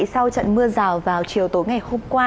sau trận mưa rào vào chiều tối ngày hôm qua